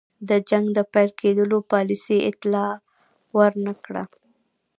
د جنګ د پیل کېدلو پالیسۍ اطلاع ور نه کړه.